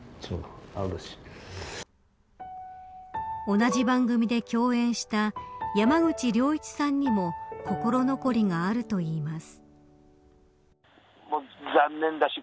同じ番組で共演した山口良一さんにも心残りがあるといいます。